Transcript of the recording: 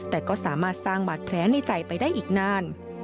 แต่ก็สามารถสร้างบาดแผลในใจไปได้อีกนาน